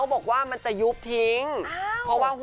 โทรหาใครต่อค่ะ